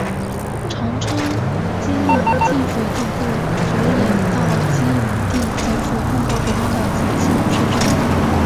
长昌基隆竞选总部昨也到基隆地检署控告国民党及基隆市政府。